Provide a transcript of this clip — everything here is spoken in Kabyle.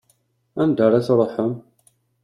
Anda ara tṛuḥem?